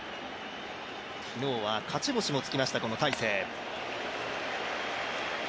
昨日は勝ち星もつきました大勢。